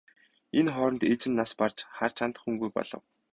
Энэ хооронд ээж нь нас барж харж хандах хүнгүй болов.